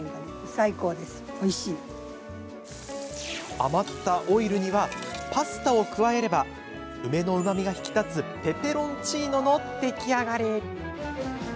余ったオイルにパスタを加えれば梅のうまみが引き立つペペロンチーノの出来上がり。